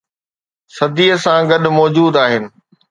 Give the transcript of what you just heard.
صديءَ سان گڏ موجود آهن